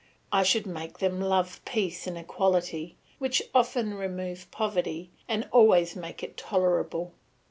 I should make them love peace and equality, which often remove poverty, and always make it tolerable.